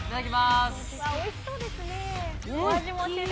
おいしそうですね。